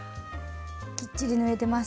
きっちり縫えてます。